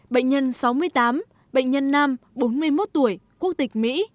bệnh nhân sáu mươi tám bệnh nhân nam bốn mươi một tuổi quốc tịch mỹ